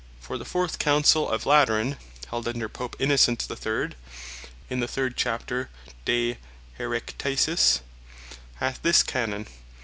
For the fourth Councell of Lateran held under Pope Innocent the third, (in the third Chap. De Haereticis,) hath this Canon.